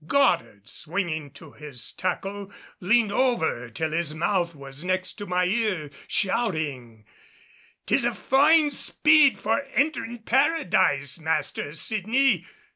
Goddard swinging to his tackle leaned over till his mouth was next my ear shouting, "Tis a fine speed for enterin' Paradise, Master Sydney!"